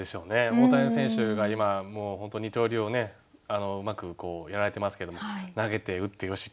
大谷選手が今本当二刀流をねうまくやられてますけども投げて打ってよしって